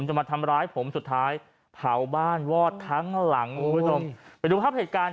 จะมาทำร้ายผมสุดท้ายเผาบ้านวอดทั้งหลังคุณผู้ชมไปดูภาพเหตุการณ์